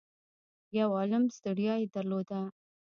يو عالُم ستړيا يې درلوده.